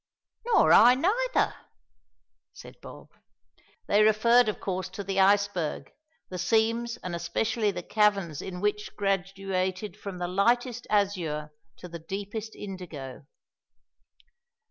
"Nor I neither," said Bob. They referred, of course, to the iceberg, the seams and especially the caverns in which graduated from the lightest azure to the deepest indigo.